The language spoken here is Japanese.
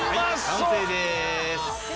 完成です。